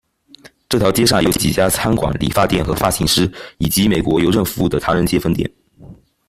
这条街上有几家餐馆、理发店和发型师，以及美国邮政服务的唐人街分店。